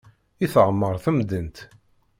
I teɛmer temdint.